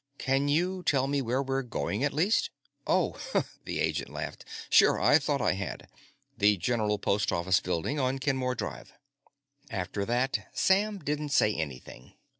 "Can you tell me where we're going, at least?" "Oh " the agent laughed, "sure. I thought I had. The General Post Office Building, on Kenmore Drive." After that, Sam didn't say anything.